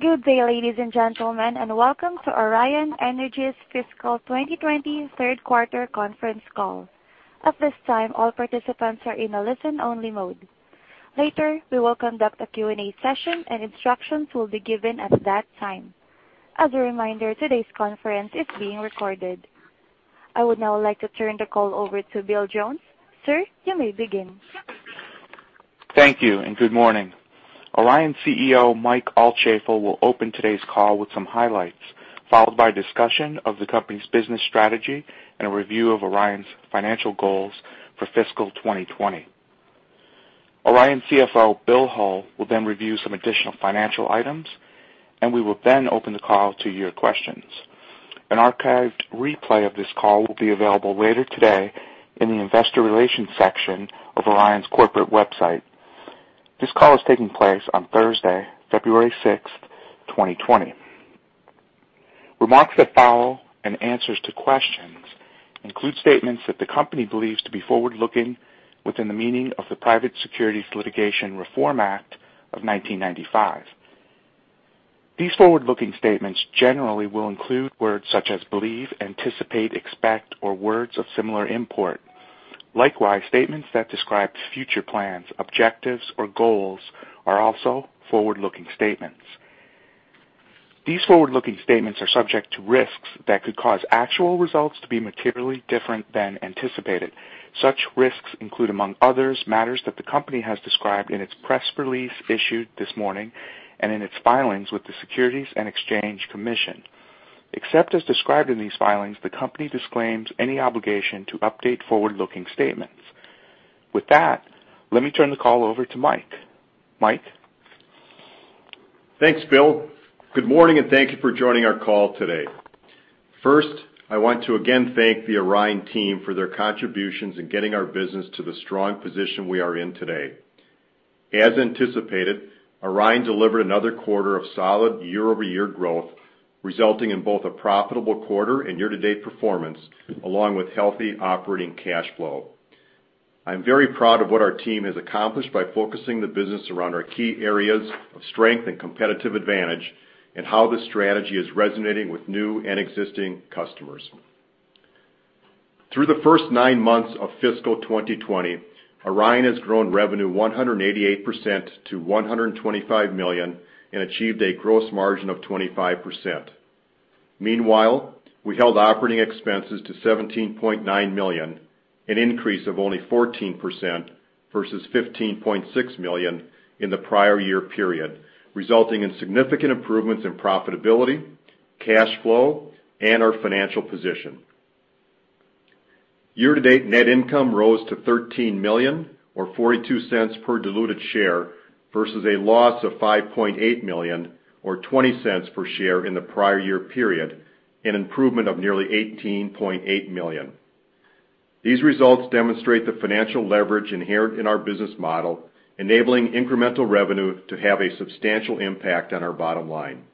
Good day, ladies and gentlemen, and welcome to Orion Energy's Fiscal 2020 Third Quarter Conference Call. At this time, all participants are in a listen-only mode. Later, we will conduct a Q&A session, and instructions will be given at that time. As a reminder, today's conference is being recorded. I would now like to turn the call over to Will Jones. Sir, you may begin. Thank you, and good morning. Orion CEO Mike Altschaefl will open today's call with some highlights, followed by a discussion of the company's business strategy and a review of Orion's financial goals for fiscal 2020. Orion CFO Bill Hull will then review some additional financial items, and we will then open the call to your questions. An archived replay of this call will be available later today in the investor relations section of Orion's corporate website. This call is taking place on Thursday, February 6th, 2020. Remarks that follow and answers to questions include statements that the company believes to be forward-looking within the meaning of the Private Securities Litigation Reform Act of 1995. These forward-looking statements generally will include words such as believe, anticipate, expect, or words of similar import. Likewise, statements that describe future plans, objectives, or goals are also forward-looking statements. These forward-looking statements are subject to risks that could cause actual results to be materially different than anticipated. Such risks include, among others, matters that the company has described in its press release issued this morning and in its filings with the Securities and Exchange Commission. Except as described in these filings, the company disclaims any obligation to update forward-looking statements. With that, let me turn the call over to Mike. Mike? Thanks, Bill. Good morning, and thank you for joining our call today. First, I want to again thank the Orion team for their contributions in getting our business to the strong position we are in today. As anticipated, Orion delivered another quarter of solid year-over-year growth, resulting in both a profitable quarter and year-to-date performance, along with healthy operating cash flow. I'm very proud of what our team has accomplished by focusing the business around our key areas of strength and competitive advantage and how the strategy is resonating with new and existing customers. Through the first nine months of Fiscal 2020, Orion has grown revenue 188% to $125 million and achieved a gross margin of 25%. Meanwhile, we held operating expenses to $17.9 million, an increase of only 14% versus $15.6 million in the prior year period, resulting in significant improvements in profitability, cash flow, and our financial position. Year-to-date net income rose to $13 million, or $0.42 per diluted share, versus a loss of $5.8 million, or $0.20 per share in the prior year period, an improvement of nearly $18.8 million. These results demonstrate the financial leverage inherent in our business model, enabling incremental revenue to have a substantial impact on our bottom line.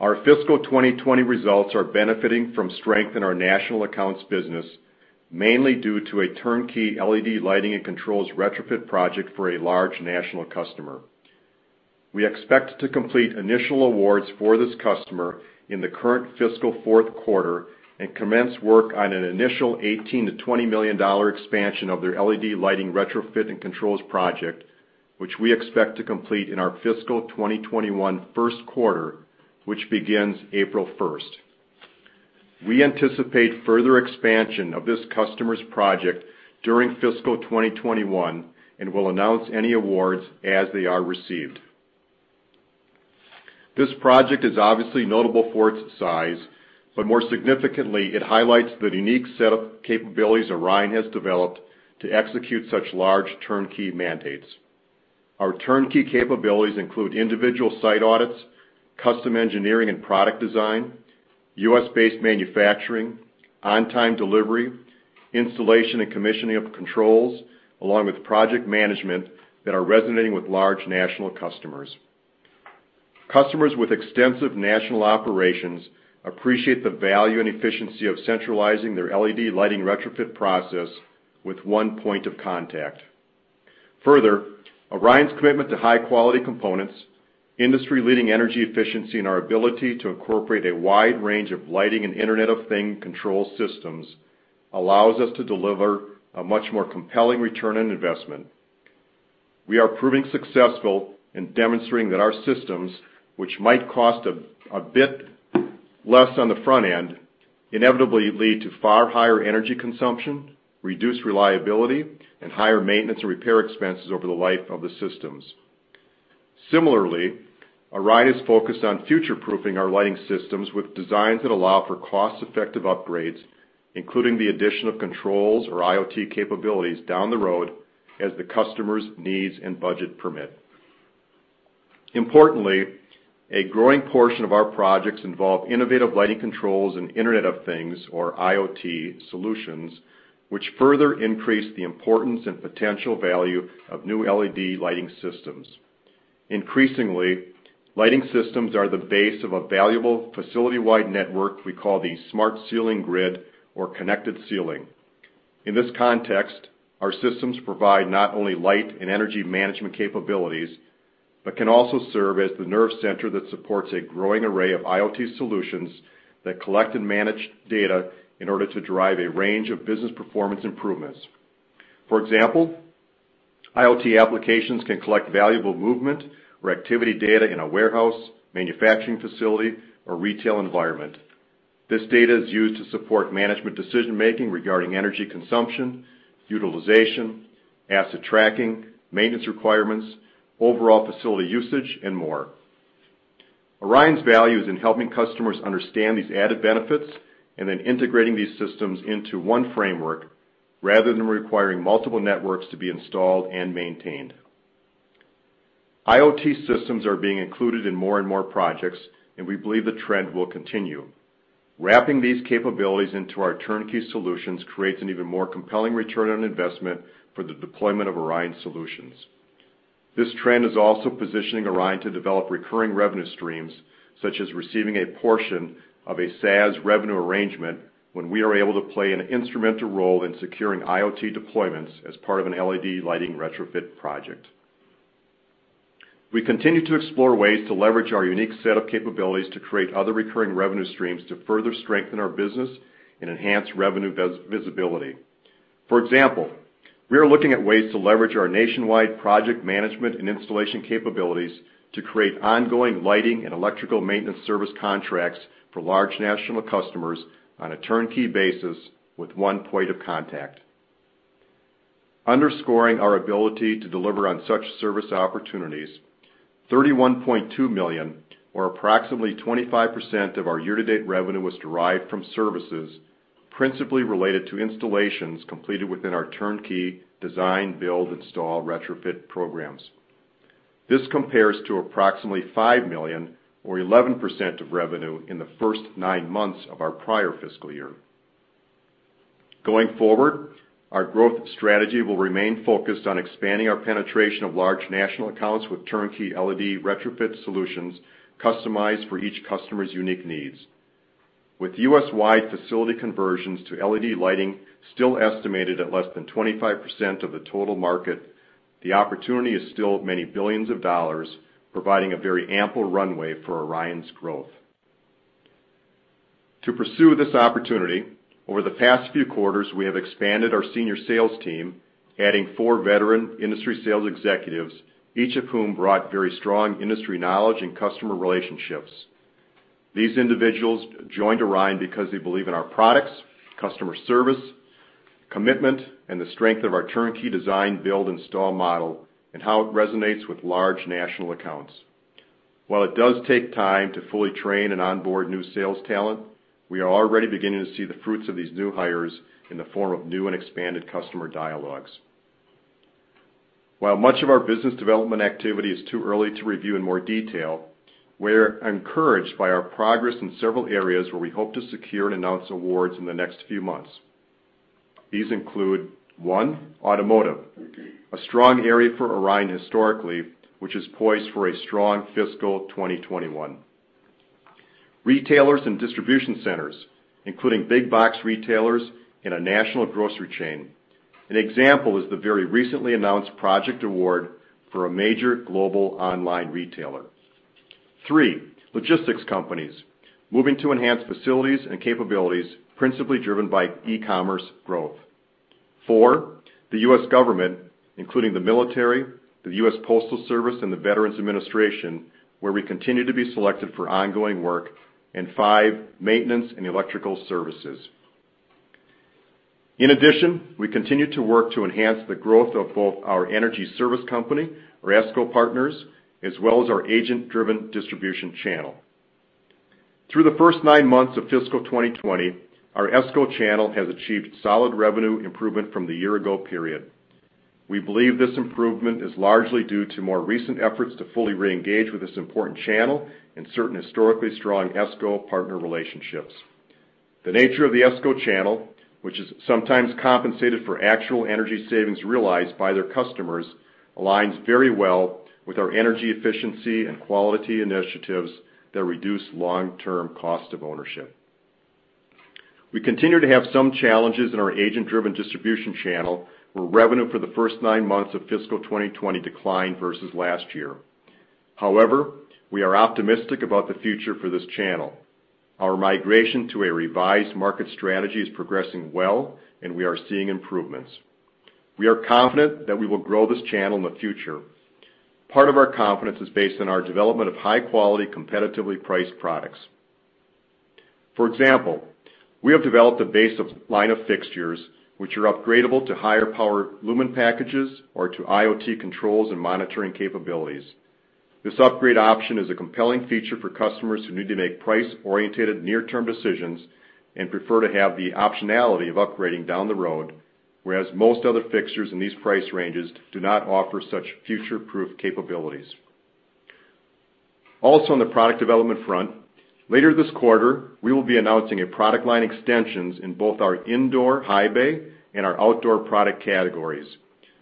Our fiscal 2020 results are benefiting from strength in our national accounts business, mainly due to a turnkey LED lighting and controls retrofit project for a large national customer. We expect to complete initial awards for this customer in the current fiscal fourth quarter and commence work on an initial $18 million-$20 million expansion of their LED lighting retrofit and controls project, which we expect to complete in our Fiscal 2021 first quarter, which begins April 1st. We anticipate further expansion of this customer's project during Fiscal 2021 and will announce any awards as they are received. This project is obviously notable for its size, but more significantly, it highlights the unique set of capabilities Orion has developed to execute such large turnkey mandates. Our turnkey capabilities include individual site audits, custom engineering and product design, U.S.-based manufacturing, on-time delivery, installation and commissioning of controls, along with project management that are resonating with large national customers. Customers with extensive national operations appreciate the value and efficiency of centralizing their LED lighting retrofit process with one point of contact. Further, Orion's commitment to high-quality components, industry-leading energy efficiency, and our ability to incorporate a wide range of lighting and Internet of Things control systems allows us to deliver a much more compelling return on investment. We are proving successful in demonstrating that our systems, which might cost a bit less on the front end, inevitably lead to far higher energy consumption, reduced reliability, and higher maintenance and repair expenses over the life of the systems. Similarly, Orion is focused on future-proofing our lighting systems with designs that allow for cost-effective upgrades, including the addition of controls or IoT capabilities down the road as the customer's needs and budget permit. Importantly, a growing portion of our projects involve innovative lighting controls and Internet of Things, or IoT, solutions, which further increase the importance and potential value of new LED lighting systems. Increasingly, lighting systems are the base of a valuable facility-wide network we call the Smart Ceiling Grid or Connected Ceiling. In this context, our systems provide not only light and energy management capabilities but can also serve as the nerve center that supports a growing array of IoT solutions that collect and manage data in order to drive a range of business performance improvements. For example, IoT applications can collect valuable movement or activity data in a warehouse, manufacturing facility, or retail environment. This data is used to support management decision-making regarding energy consumption, utilization, asset tracking, maintenance requirements, overall facility usage, and more. Orion's value is in helping customers understand these added benefits and then integrating these systems into one framework rather than requiring multiple networks to be installed and maintained. IoT systems are being included in more and more projects, and we believe the trend will continue. Wrapping these capabilities into our turnkey solutions creates an even more compelling return on investment for the deployment of Orion solutions. This trend is also positioning Orion to develop recurring revenue streams, such as receiving a portion of a SaaS revenue arrangement when we are able to play an instrumental role in securing IoT deployments as part of an LED lighting retrofit project. We continue to explore ways to leverage our unique set of capabilities to create other recurring revenue streams to further strengthen our business and enhance revenue visibility. For example, we are looking at ways to leverage our nationwide project management and installation capabilities to create ongoing lighting and electrical maintenance service contracts for large national customers on a turnkey basis with one point of contact. Underscoring our ability to deliver on such service opportunities, $31.2 million, or approximately 25% of our year-to-date revenue, was derived from services principally related to installations completed within our turnkey design, build, install, retrofit programs. This compares to approximately $5 million, or 11% of revenue in the first nine months of our prior fiscal year. Going forward, our growth strategy will remain focused on expanding our penetration of large national accounts with turnkey LED retrofit solutions customized for each customer's unique needs. With U.S.-wide facility conversions to LED lighting still estimated at less than 25% of the total market, the opportunity is still many billions of dollars, providing a very ample runway for Orion's growth. To pursue this opportunity, over the past few quarters, we have expanded our senior sales team, adding four veteran industry sales executives, each of whom brought very strong industry knowledge and customer relationships. These individuals joined Orion because they believe in our products, customer service, commitment, and the strength of our turnkey design, build, install model, and how it resonates with large national accounts. While it does take time to fully train and onboard new sales talent, we are already beginning to see the fruits of these new hires in the form of new and expanded customer dialogues. While much of our business development activity is too early to review in more detail, we are encouraged by our progress in several areas where we hope to secure and announce awards in the next few months. These include, one, automotive, a strong area for Orion historically, which is poised for a strong Fiscal 2021. Retailers and distribution centers, including big-box retailers and a national grocery chain. An example is the very recently announced project award for a major global online retailer. Three, logistics companies, moving to enhance facilities and capabilities principally driven by e-commerce growth. Four, the U.S. government, including the military, the U.S. Postal Service, and the Veterans Administration, where we continue to be selected for ongoing work, and five, maintenance and electrical services. In addition, we continue to work to enhance the growth of both our energy service company, our ESCO partners, as well as our agent-driven distribution channel. Through the first nine months of fiscal 2020, our ESCO channel has achieved solid revenue improvement from the year-ago period. We believe this improvement is largely due to more recent efforts to fully re-engage with this important channel and certain historically strong ESCO partner relationships. The nature of the ESCO channel, which is sometimes compensated for actual energy savings realized by their customers, aligns very well with our energy efficiency and quality initiatives that reduce long-term cost of ownership. We continue to have some challenges in our agent-driven distribution channel where revenue for the first nine months of Fiscal 2020 declined versus last year. However, we are optimistic about the future for this channel. Our migration to a revised market strategy is progressing well, and we are seeing improvements. We are confident that we will grow this channel in the future. Part of our confidence is based on our development of high-quality, competitively priced products. For example, we have developed a baseline of fixtures which are upgradable to higher power lumen packages or to IoT controls and monitoring capabilities. This upgrade option is a compelling feature for customers who need to make price-oriented near-term decisions and prefer to have the optionality of upgrading down the road, whereas most other fixtures in these price ranges do not offer such future-proof capabilities. Also, on the product development front, later this quarter, we will be announcing product line extensions in both our indoor high bay and our outdoor product categories.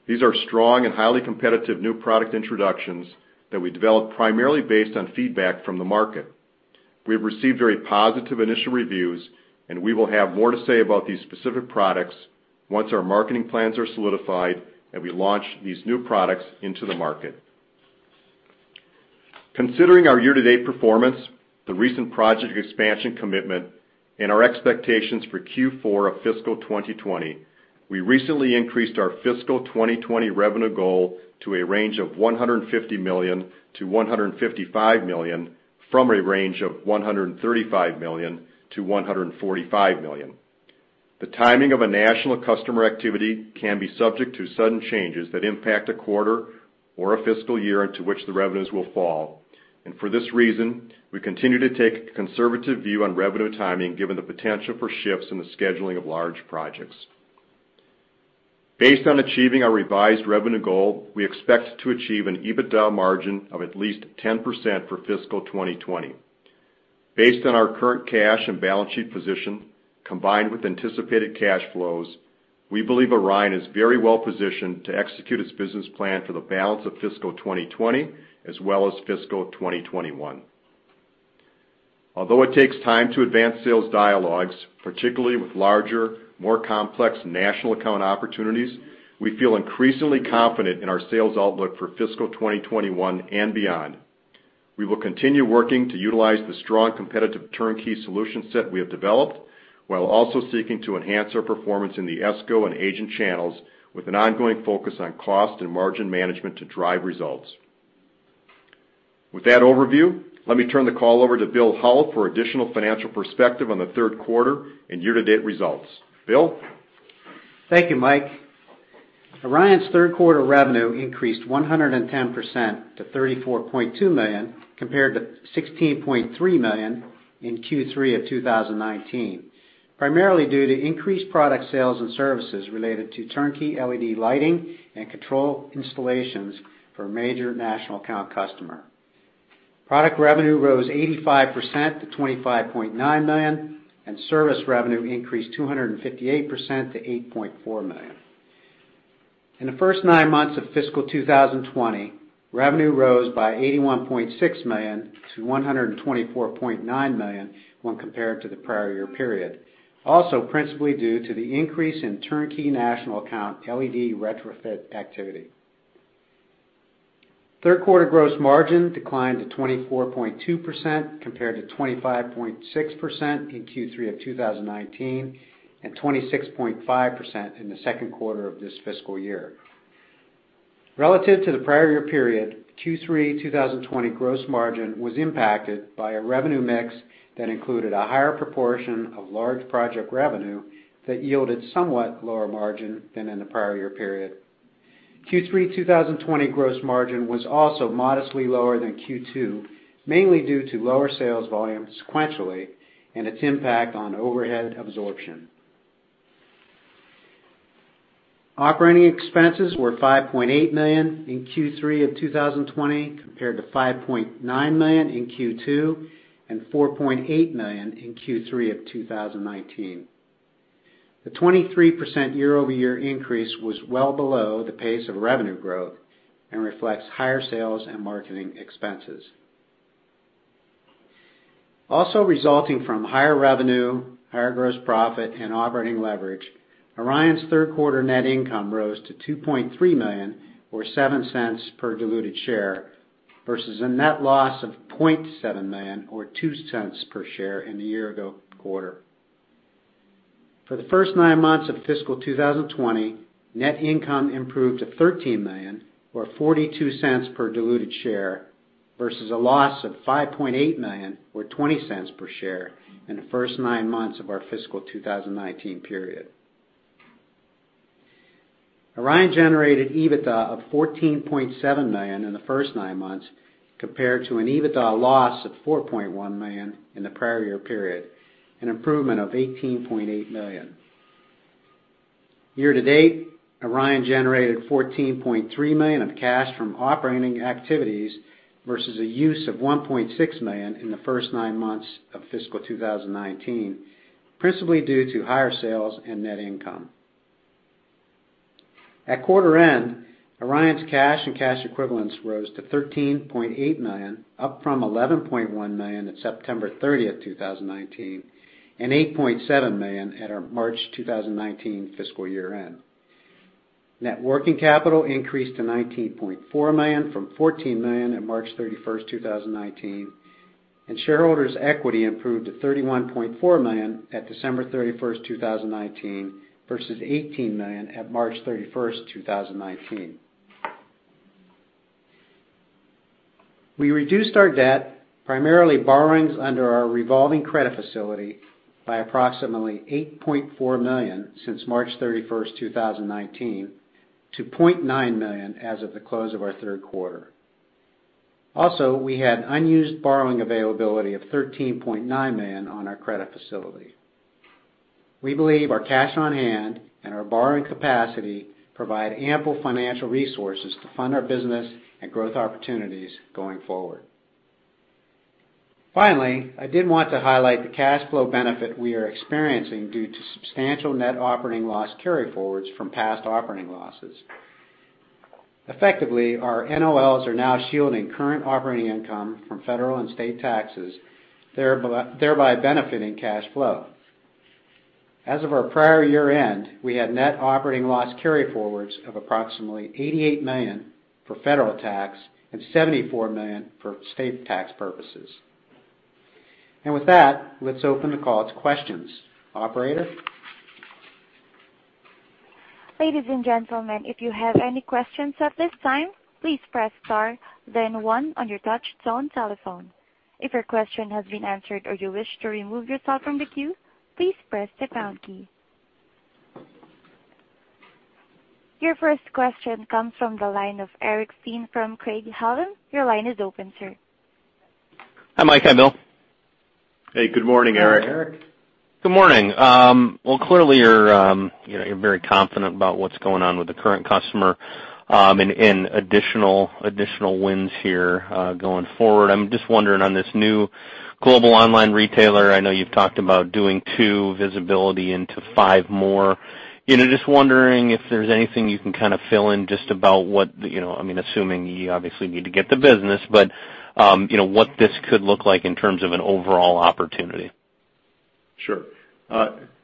These are strong and highly competitive new product introductions that we developed primarily based on feedback from the market. We have received very positive initial reviews, and we will have more to say about these specific products once our marketing plans are solidified and we launch these new products into the market. Considering our year-to-date performance, the recent project expansion commitment, and our expectations for Q4 of fiscal 2020, we recently increased our fiscal 2020 revenue goal to a range of $150 million-$155 million from a range of $135 million-$145 million. The timing of a national customer activity can be subject to sudden changes that impact a quarter or a fiscal year into which the revenues will fall, and for this reason, we continue to take a conservative view on revenue timing given the potential for shifts in the scheduling of large projects. Based on achieving our revised revenue goal, we expect to achieve an EBITDA margin of at least 10% for fiscal 2020. Based on our current cash and balance sheet position, combined with anticipated cash flows, we believe Orion is very well positioned to execute its business plan for the balance of fiscal 2020 as well as Fiscal 2021. Although it takes time to advance sales dialogues, particularly with larger, more complex national account opportunities, we feel increasingly confident in our sales outlook for Fiscal 2021 and beyond. We will continue working to utilize the strong competitive turnkey solution set we have developed while also seeking to enhance our performance in the ESCO and agent channels with an ongoing focus on cost and margin management to drive results. With that overview, let me turn the call over to Bill Hull for additional financial perspective on the third quarter and year-to-date results. Bill? Thank you, Mike. Orion's third quarter revenue increased 110% to $34.2 million compared to $16.3 million in Q3 of 2019, primarily due to increased product sales and services related to turnkey LED lighting and control installations for a major national account customer. Product revenue rose 85%-$25.9 million, and service revenue increased 258% to $8.4 million. In the first nine months of fiscal 2020, revenue rose by $81.6 million to $124.9 million when compared to the prior year period, also principally due to the increase in turnkey national account LED retrofit activity. Third quarter gross margin declined to 24.2% compared to 25.6% in Q3 of 2019 and 26.5% in the second quarter of this fiscal year. Relative to the prior year period, Q3 2020 gross margin was impacted by a revenue mix that included a higher proportion of large project revenue that yielded somewhat lower margin than in the prior year period. Q3 2020 gross margin was also modestly lower than Q2, mainly due to lower sales volume sequentially and its impact on overhead absorption. Operating expenses were $5.8 million in Q3 of 2020 compared to $5.9 million in Q2 and $4.8 million in Q3 of 2019. The 23% year-over-year increase was well below the pace of revenue growth and reflects higher sales and marketing expenses. Also resulting from higher revenue, higher gross profit, and operating leverage, Orion's third quarter net income rose to $2.3 million, or $0.07 per diluted share, versus a net loss of $0.7 million, or $0.02 per share in the year-ago quarter. For the first nine months of fiscal 2020, net income improved to $13 million, or $0.42 per diluted share, versus a loss of $5.8 million, or $0.20 per share in the first nine months of our Fiscal 2019 period. Orion generated EBITDA of $14.7 million in the first nine months compared to an EBITDA loss of $4.1 million in the prior year period, an improvement of $18.8 million. Year-to-date, Orion generated $14.3 million of cash from operating activities versus a use of $1.6 million in the first nine months of Fiscal 2019, principally due to higher sales and net income. At quarter end, Orion's cash and cash equivalents rose to $13.8 million, up from $11.1 million at September 30, 2019, and $8.7 million at our March 2019 fiscal year end. Net working capital increased to $19.4 million from $14 million at March 31, 2019, and shareholders' equity improved to $31.4 million at December 31, 2019, versus $18 million at March 31, 2019. We reduced our debt, primarily borrowings under our revolving credit facility, by approximately $8.4 million since March 31, 2019, to $0.9 million as of the close of our third quarter. Also, we had unused borrowing availability of $13.9 million on our credit facility. We believe our cash on hand and our borrowing capacity provide ample financial resources to fund our business and growth opportunities going forward. Finally, I did want to highlight the cash flow benefit we are experiencing due to substantial net operating loss carryforwards from past operating losses. Effectively, our NOLs are now shielding current operating income from federal and state taxes, thereby benefiting cash flow. As of our prior year end, we had net operating loss carryforwards of approximately $88 million for federal tax and $74 million for state tax purposes. And with that, let's open the call to questions. Operator? Ladies and gentlemen, if you have any questions at this time, please press star, then one on your touch-tone telephone. If your question has been answered or you wish to remove yourself from the queue, please press the pound key. Your first question comes from the line of Eric Stine from Craig-Hallum. Your line is open, sir. Hi, Mike. Hi, Bill. Hey, good morning, Eric. Hi, Eric. Good morning. Well, clearly, you're very confident about what's going on with the current customer and additional wins here going forward. I'm just wondering on this new global online retailer. I know you've talked about doing two visibility into five more. Just wondering if there's anything you can kind of fill in just about what I mean, assuming you obviously need to get the business, but what this could look like in terms of an overall opportunity. Sure.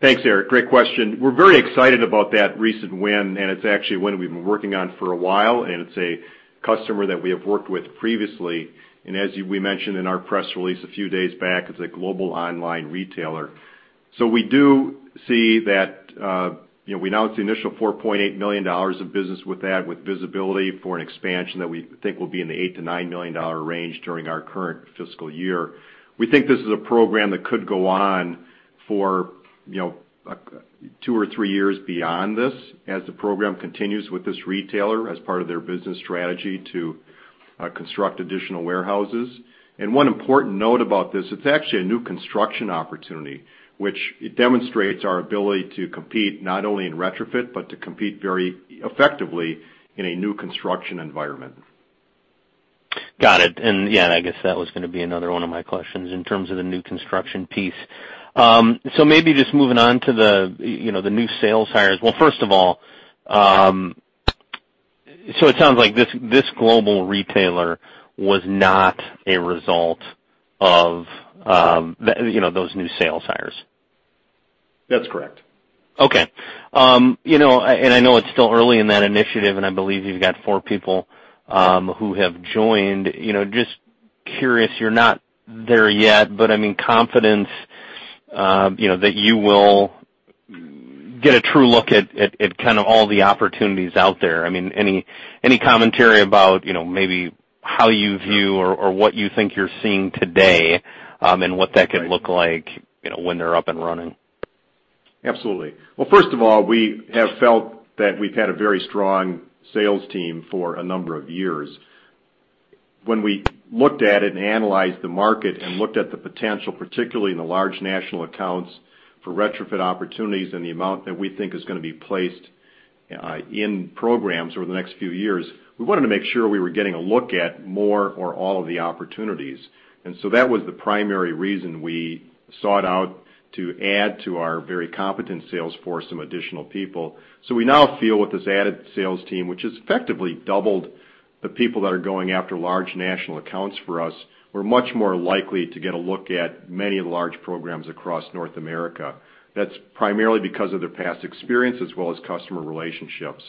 Thanks, Eric. Great question. We're very excited about that recent win, and it's actually a win we've been working on for a while, and it's a customer that we have worked with previously. As we mentioned in our press release a few days back, it's a global online retailer. So we do see that we announced the initial $4.8 million of business with that, with visibility for an expansion that we think will be in the $8-$9 million range during our current fiscal year. We think this is a program that could go on for two or three years beyond this as the program continues with this retailer as part of their business strategy to construct additional warehouses. One important note about this: it's actually a new construction opportunity, which demonstrates our ability to compete not only in retrofit but to compete very effectively in a new construction environment. Got it. Yeah, I guess that was going to be another one of my questions in terms of the new construction piece. Maybe just moving on to the new sales hires. First of all, so it sounds like this global retailer was not a result of those new sales hires. That's correct. Okay. And I know it's still early in that initiative, and I believe you've got four people who have joined. Just curious, you're not there yet, but I mean, confidence that you will get a true look at kind of all the opportunities out there. I mean, any commentary about maybe how you view or what you think you're seeing today and what that could look like when they're up and running? Absolutely. First of all, we have felt that we've had a very strong sales team for a number of years. When we looked at it and analyzed the market and looked at the potential, particularly in the large national accounts for retrofit opportunities and the amount that we think is going to be placed in programs over the next few years, we wanted to make sure we were getting a look at more or all of the opportunities, and so that was the primary reason we sought out to add to our very competent sales force some additional people, so we now feel with this added sales team, which has effectively doubled the people that are going after large national accounts for us, we're much more likely to get a look at many of the large programs across North America. That's primarily because of their past experience as well as customer relationships.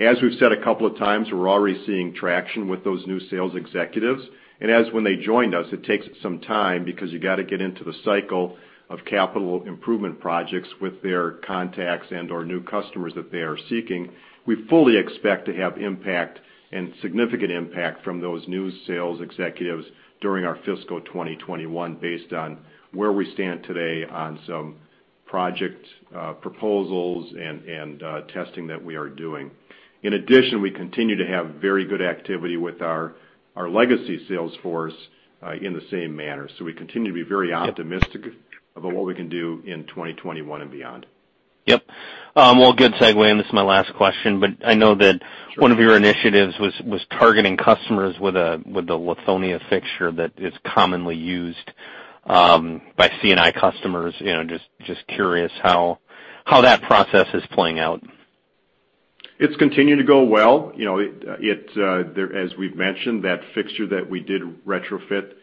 As we've said a couple of times, we're already seeing traction with those new sales executives. As when they joined us, it takes some time because you got to get into the cycle of capital improvement projects with their contacts and/or new customers that they are seeking. We fully expect to have impact and significant impact from those new sales executives during our Fiscal 2021 based on where we stand today on some project proposals and testing that we are doing. In addition, we continue to have very good activity with our legacy sales force in the same manner. So we continue to be very optimistic about what we can do in 2021 and beyond. Yep. Well, good segue. And this is my last question, but I know that one of your initiatives was targeting customers with the Lithonia fixture that is commonly used by C&I customers. Just curious how that process is playing out. It's continued to go well. As we've mentioned, that fixture that we did retrofit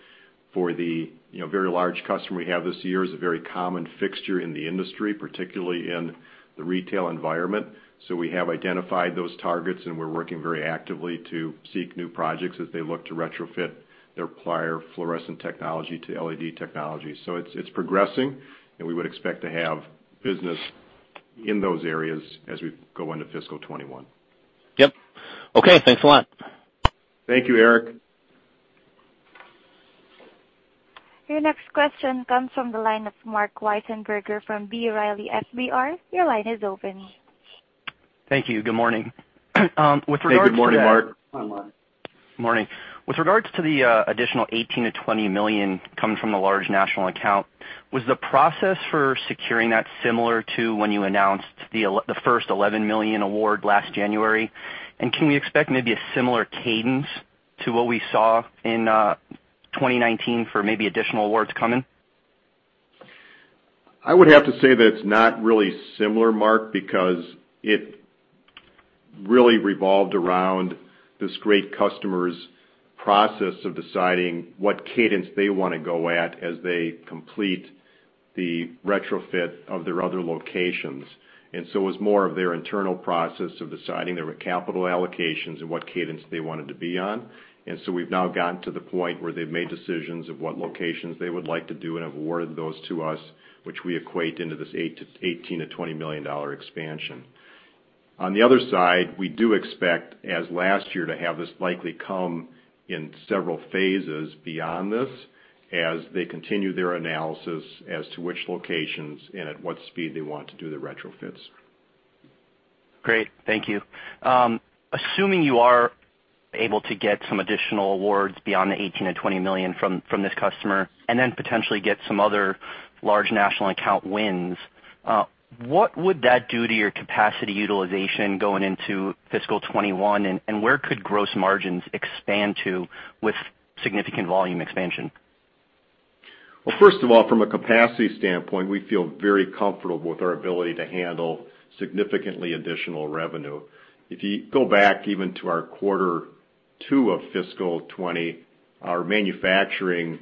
for the very large customer we have this year is a very common fixture in the industry, particularly in the retail environment. So we have identified those targets, and we're working very actively to seek new projects as they look to retrofit their prior fluorescent technology to LED technology. So it's progressing, and we would expect to have business in those areas as we go into Fiscal 2021. Yep. Okay. Thanks a lot. Thank you, Eric. Your next question comes from the line of Marc Wiesenberger from B. Riley FBR. Your line is open. Thank you. Good morning. Hey, good morning, Marc. Good morning. With regard to the additional $18-$20 million coming from the large national account, was the process for securing that similar to when you announced the first $11 million award last January? And can we expect maybe a similar cadence to what we saw in 2019 for maybe additional awards coming? I would have to say that it's not really similar, Mark, because it really revolved around this great customer's process of deciding what cadence they want to go at as they complete the retrofit of their other locations. And so it was more of their internal process of deciding their capital allocations and what cadence they wanted to be on. And so we've now gotten to the point where they've made decisions of what locations they would like to do and have awarded those to us, which we equate into this $18 million-$20 million expansion. On the other side, we do expect, as last year, to have this likely come in several phases beyond this as they continue their analysis as to which locations and at what speed they want to do the retrofits. Great. Thank you. Assuming you are able to get some additional awards beyond the $18 million-$20 million from this customer and then potentially get some other large national account wins, what would that do to your capacity utilization going into Fiscal 2021, and where could gross margins expand to with significant volume expansion? First of all, from a capacity standpoint, we feel very comfortable with our ability to handle significantly additional revenue. If you go back even to our quarter two of Fiscal 2020, our manufacturing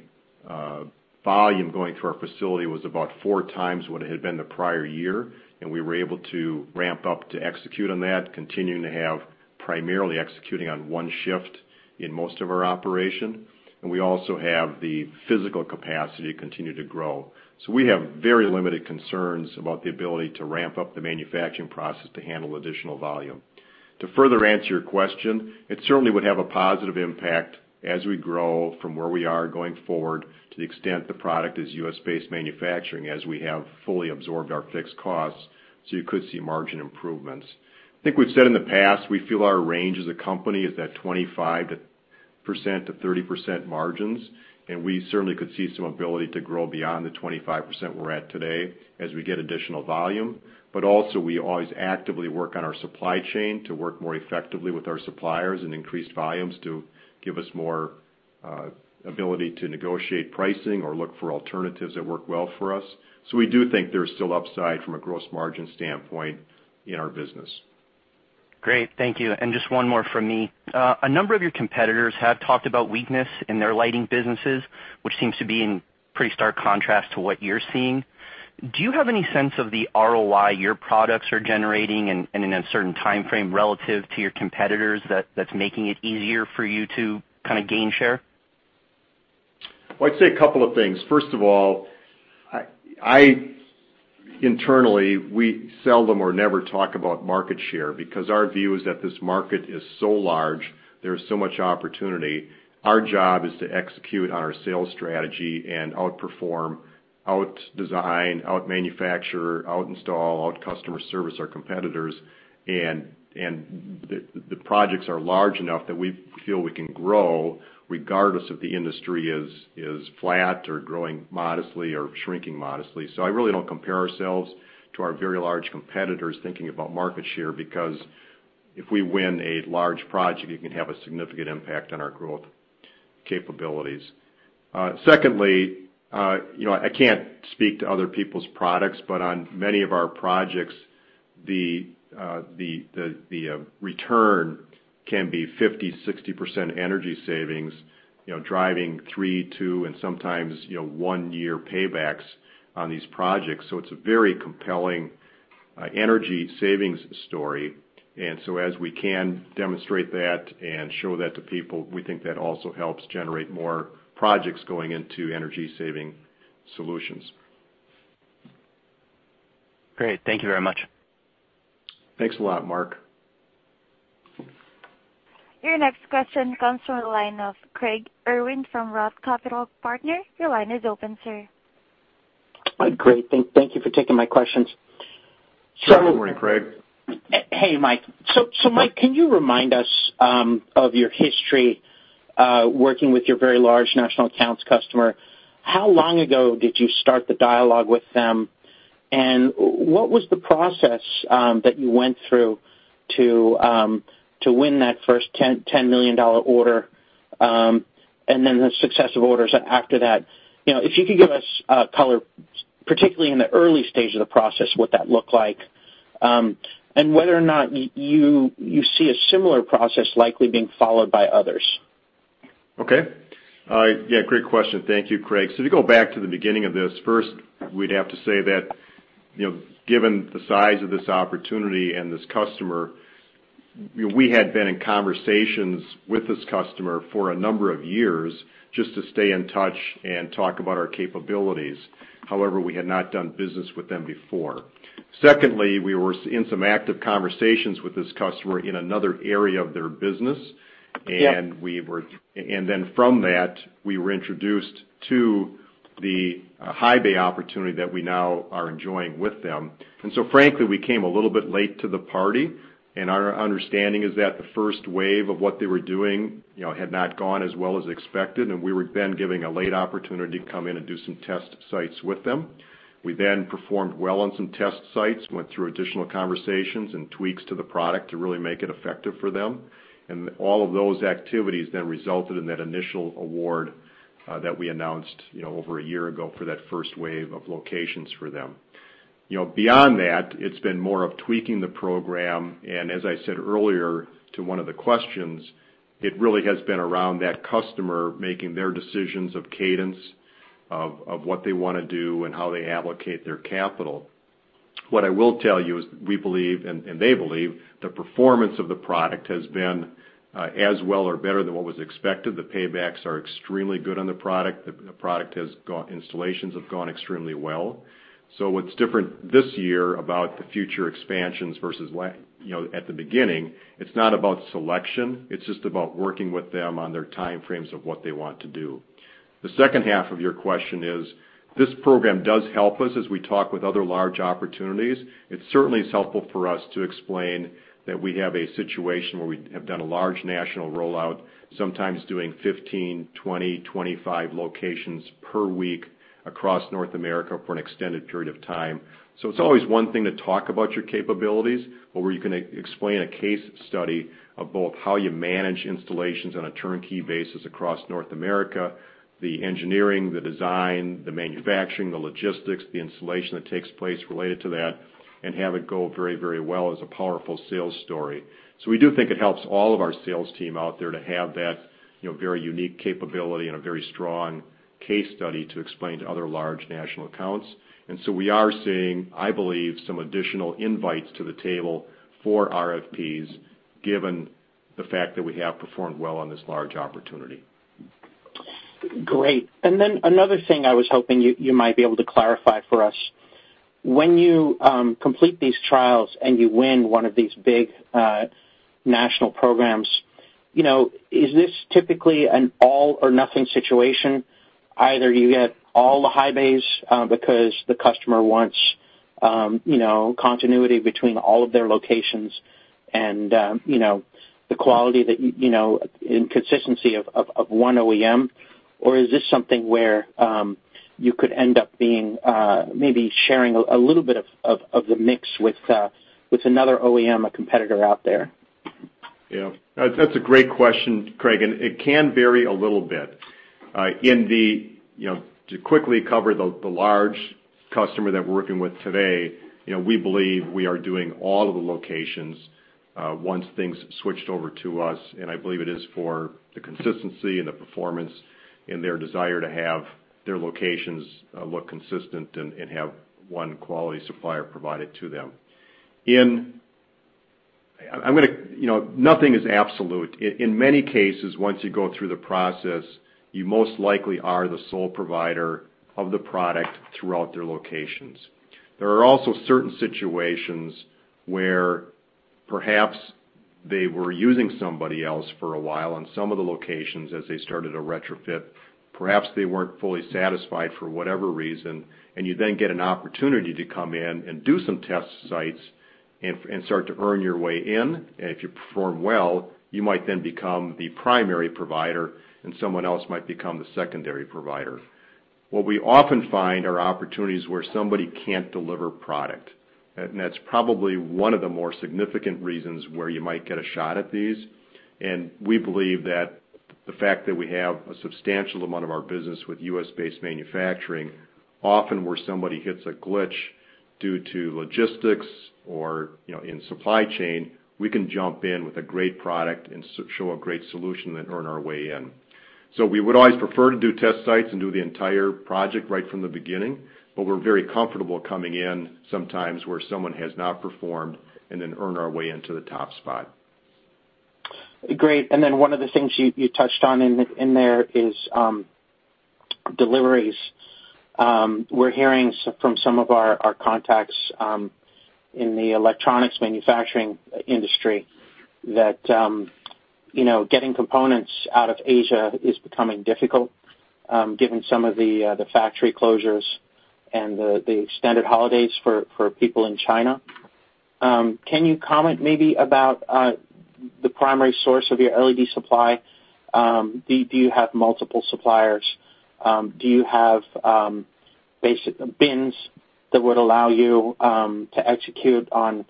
volume going to our facility was about four times what it had been the prior year, and we were able to ramp up to execute on that, continuing to have primarily executing on one shift in most of our operation. And we also have the physical capacity to continue to grow. So we have very limited concerns about the ability to ramp up the manufacturing process to handle additional volume. To further answer your question, it certainly would have a positive impact as we grow from where we are going forward to the extent the product is U.S.-based manufacturing as we have fully absorbed our fixed costs, so you could see margin improvements. I think we've said in the past, we feel our range as a company is that 25%-30% margins, and we certainly could see some ability to grow beyond the 25% we're at today as we get additional volume. But also, we always actively work on our supply chain to work more effectively with our suppliers and increased volumes to give us more ability to negotiate pricing or look for alternatives that work well for us. So we do think there's still upside from a gross margin standpoint in our business. Great. Thank you. And just one more from me. A number of your competitors have talked about weakness in their lighting businesses, which seems to be in pretty stark contrast to what you're seeing. Do you have any sense of the ROI your products are generating in a certain timeframe relative to your competitors that's making it easier for you to kind of gain share? Well, I'd say a couple of things. First of all, internally, we seldom or never talk about market share because our view is that this market is so large, there is so much opportunity. Our job is to execute on our sales strategy and outperform, outdesign, outmanufacture, outinstall, out customer service our competitors. And the projects are large enough that we feel we can grow regardless if the industry is flat or growing modestly or shrinking modestly. So I really don't compare ourselves to our very large competitors thinking about market share because if we win a large project, it can have a significant impact on our growth capabilities. Secondly, I can't speak to other people's products, but on many of our projects, the return can be 50%-60% energy savings, driving three-, two-, and sometimes one-year paybacks on these projects. So it's a very compelling energy savings story, and so as we can demonstrate that and show that to people, we think that also helps generate more projects going into energy-saving solutions. Great. Thank you very much. Thanks a lot, Mark. Your next question comes from the line of Craig Irwin from Roth Capital Partners. Your line is open, sir. Great. Thank you for taking my questions. Good morning, Craig. Hey, Mike. So Mike, can you remind us of your history working with your very large national accounts customer? How long ago did you start the dialogue with them, and what was the process that you went through to win that first $10 million order and then the successive orders after that? If you could give us a color, particularly in the early stage of the process, what that looked like and whether or not you see a similar process likely being followed by others? Okay. Yeah, great question. Thank you, Craig. So to go back to the beginning of this, first, we'd have to say that given the size of this opportunity and this customer, we had been in conversations with this customer for a number of years just to stay in touch and talk about our capabilities. However, we had not done business with them before. Secondly, we were in some active conversations with this customer in another area of their business. Then from that, we were introduced to the high bay opportunity that we now are enjoying with them. And so frankly, we came a little bit late to the party. And our understanding is that the first wave of what they were doing had not gone as well as expected, and we were then given a late opportunity to come in and do some test sites with them. We then performed well on some test sites, went through additional conversations and tweaks to the product to really make it effective for them. And all of those activities then resulted in that initial award that we announced over a year ago for that first wave of locations for them. Beyond that, it's been more of tweaking the program. As I said earlier, to one of the questions, it really has been around that customer making their decisions of cadence, of what they want to do, and how they allocate their capital. What I will tell you is we believe, and they believe, the performance of the product has been as well or better than what was expected. The paybacks are extremely good on the product. The installations have gone extremely well. So what's different this year about the future expansions versus at the beginning, it's not about selection. It's just about working with them on their timeframes of what they want to do. The second half of your question is, this program does help us as we talk with other large opportunities. It certainly is helpful for us to explain that we have a situation where we have done a large national rollout, sometimes doing 15, 20, 25 locations per week across North America for an extended period of time. So it's always one thing to talk about your capabilities, but where you can explain a case study of both how you manage installations on a turnkey basis across North America, the engineering, the design, the manufacturing, the logistics, the installation that takes place related to that, and have it go very, very well as a powerful sales story. So we do think it helps all of our sales team out there to have that very unique capability and a very strong case study to explain to other large national accounts. And so we are seeing, I believe, some additional invites to the table for RFPs given the fact that we have performed well on this large opportunity. Great. And then another thing I was hoping you might be able to clarify for us. When you complete these trials and you win one of these big national programs, is this typically an all-or-nothing situation? Either you get all the high bays because the customer wants continuity between all of their locations and the quality and consistency of one OEM, or is this something where you could end up being maybe sharing a little bit of the mix with another OEM, a competitor out there? Yeah. That's a great question, Craig. And it can vary a little bit. To quickly cover the large customer that we're working with today, we believe we are doing all of the locations once things switched over to us, and I believe it is for the consistency and the performance and their desire to have their locations look consistent and have one quality supplier provided to them. Nothing is absolute. In many cases, once you go through the process, you most likely are the sole provider of the product throughout their locations. There are also certain situations where perhaps they were using somebody else for a while on some of the locations as they started a retrofit. Perhaps they weren't fully satisfied for whatever reason, and you then get an opportunity to come in and do some test sites and start to earn your way in. If you perform well, you might then become the primary provider, and someone else might become the secondary provider. What we often find are opportunities where somebody can't deliver product. That's probably one of the more significant reasons where you might get a shot at these. We believe that the fact that we have a substantial amount of our business with U.S.-based manufacturing, often where somebody hits a glitch due to logistics or in supply chain, we can jump in with a great product and show a great solution and earn our way in. We would always prefer to do test sites and do the entire project right from the beginning, but we're very comfortable coming in sometimes where someone has not performed and then earn our way into the top spot. Great. One of the things you touched on in there is deliveries. We're hearing from some of our contacts in the electronics manufacturing industry that getting components out of Asia is becoming difficult given some of the factory closures and the extended holidays for people in China. Can you comment maybe about the primary source of your LED supply? Do you have multiple suppliers? Do you have bins that would allow you to execute on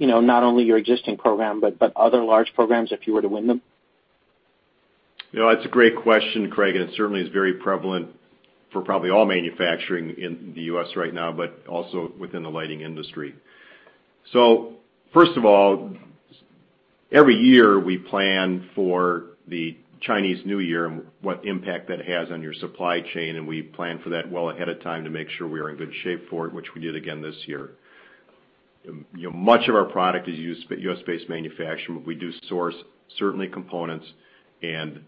not only your existing program but other large programs if you were to win them? That's a great question, Craig, and it certainly is very prevalent for probably all manufacturing in the U.S. right now, but also within the lighting industry. So first of all, every year we plan for the Chinese New Year and what impact that has on your supply chain, and we plan for that well ahead of time to make sure we are in good shape for it, which we did again this year. Much of our product is used by U.S.-based manufacturing, but we do source certain components and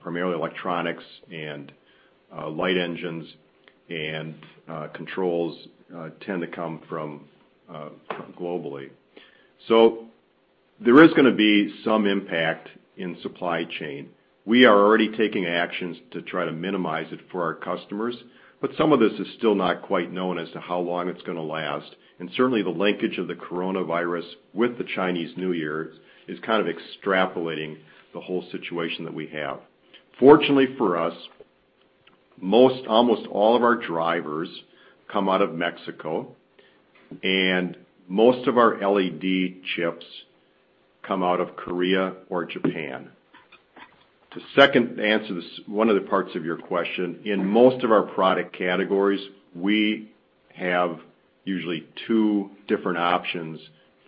primarily electronics and light engines, and controls tend to come from globally. So there is going to be some impact in supply chain. We are already taking actions to try to minimize it for our customers, but some of this is still not quite known as to how long it's going to last. And certainly, the linkage of the coronavirus with the Chinese New Year is kind of exacerbating the whole situation that we have. Fortunately for us, almost all of our drivers come out of Mexico, and most of our LED chips come out of Korea or Japan. To second answer one of the parts of your question, in most of our product categories, we have usually two different options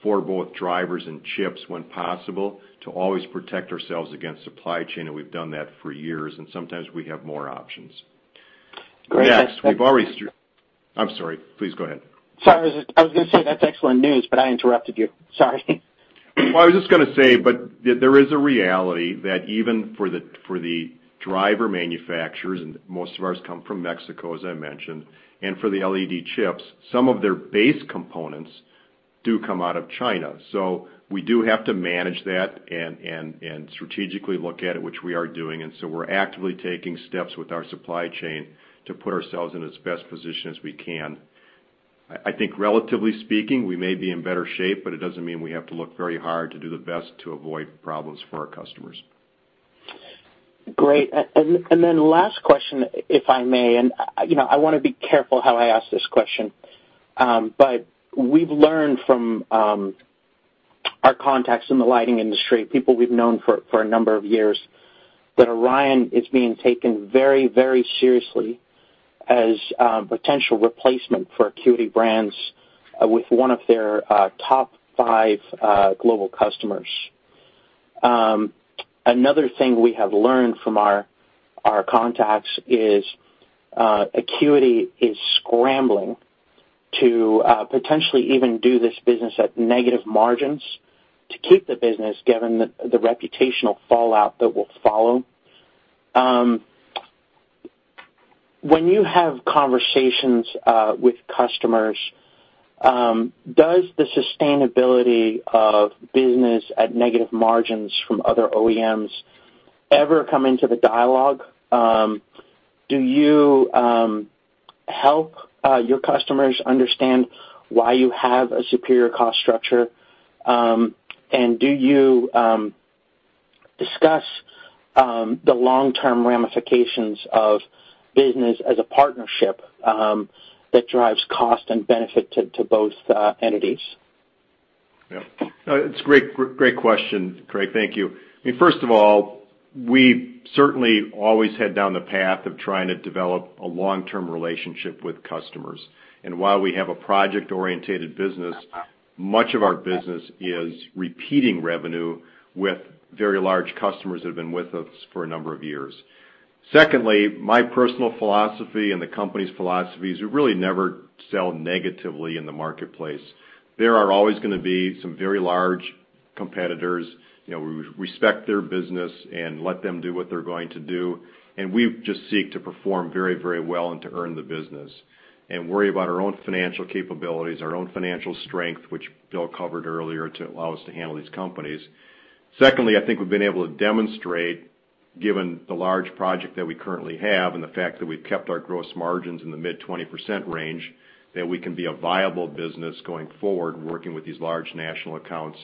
for both drivers and chips when possible to always protect ourselves against supply chain, and we've done that for years. And sometimes we have more options. Yeah. I'm sorry. Please go ahead. Sorry. I was going to say that's excellent news, but I interrupted you. Sorry. Well, I was just going to say, but there is a reality that even for the driver manufacturers, and most of ours come from Mexico, as I mentioned, and for the LED chips, some of their base components do come out of China. So we do have to manage that and strategically look at it, which we are doing. And so we're actively taking steps with our supply chain to put ourselves in as best position as we can. I think relatively speaking, we may be in better shape, but it doesn't mean we have to look very hard to do the best to avoid problems for our customers. Great. And then last question, if I may. And I want to be careful how I ask this question, but we've learned from our contacts in the lighting industry, people we've known for a number of years, that Orion is being taken very, very seriously as a potential replacement for Acuity Brands with one of their top five global customers. Another thing we have learned from our contacts is Acuity is scrambling to potentially even do this business at negative margins to keep the business given the reputational fallout that will follow. When you have conversations with customers, does the sustainability of business at negative margins from other OEMs ever come into the dialogue? Do you help your customers understand why you have a superior cost structure? And do you discuss the long-term ramifications of business as a partnership that drives cost and benefit to both entities? Yeah. It's a great question, Craig. Thank you. I mean, first of all, we certainly always head down the path of trying to develop a long-term relationship with customers. And while we have a project-oriented business, much of our business is repeating revenue with very large customers that have been with us for a number of years. Secondly, my personal philosophy and the company's philosophy is we really never sell negatively in the marketplace. There are always going to be some very large competitors. We respect their business and let them do what they're going to do, and we just seek to perform very, very well and to earn the business and worry about our own financial capabilities, our own financial strength, which Bill covered earlier to allow us to handle these companies. Secondly, I think we've been able to demonstrate, given the large project that we currently have and the fact that we've kept our gross margins in the mid-20% range, that we can be a viable business going forward working with these large national accounts